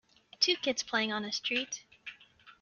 Two kids playing on a street